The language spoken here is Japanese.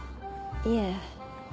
いえ。